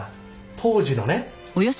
当時のね。